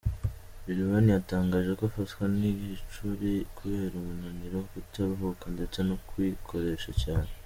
Lil Wayne yatangaje ko afatwa n’igicuri kubera umunaniro, kutaruhuka ndetse no kwikoresha cyane.